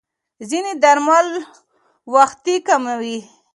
ځینې درملو وېښتې کموي.